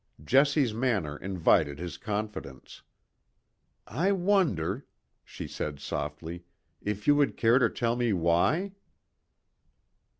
Jessie's manner invited his confidence. "I wonder," she said softly, "if you would care to tell me why?"